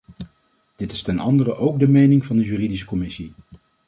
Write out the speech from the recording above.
Dit is ten andere ook de mening van de juridische commissie.